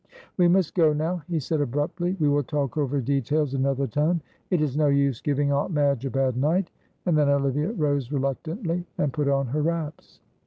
"We must go now," he said, abruptly. "We will talk over details another time; it is no use giving Aunt Madge a bad night," and then Olivia rose reluctantly and put on her wraps.